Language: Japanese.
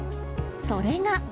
それが。